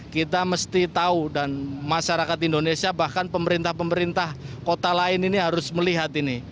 kita mesti tahu dan masyarakat indonesia bahkan pemerintah pemerintah kota lain ini harus melihat ini